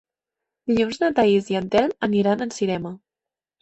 Dilluns na Thaís i en Telm aniran al cinema.